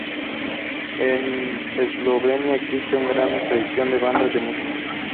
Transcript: En Eslovenia existe una gran tradición de bandas de música.